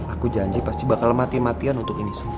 aku janji pasti bakal mati matian untuk ini semua